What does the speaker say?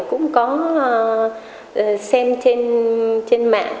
cũng có xem trên mạng